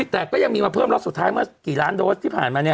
แต่ก็ยังมีมาเพิ่มล็อตสุดท้ายเมื่อกี่ล้านโดสที่ผ่านมาเนี่ย